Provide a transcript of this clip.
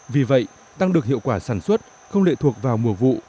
vì vậy tăng được hiệu quả sản xuất không lệ thuộc vào mùa vụ